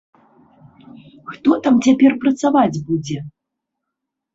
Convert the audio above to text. Хто там цяпер працаваць будзе?